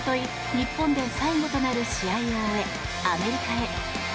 日本で最後となる試合を終えアメリカへ。